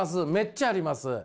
めっちゃあります！